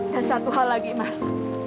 dan satu hal lagi mas